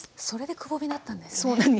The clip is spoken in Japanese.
それでくぼみだったんですね！